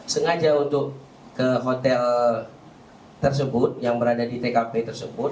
sengaja untuk ke hotel tersebut yang berada di tkp tersebut